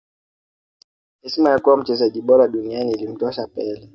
heshima ya kuwa mchezaji bora duniani ilimtosha pele